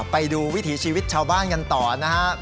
ไปดูวิถีชีวิตชาวบ้านกันต่อนะครับ